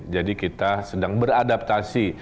jadi kita sedang beradaptasi